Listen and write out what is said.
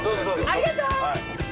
ありがとう。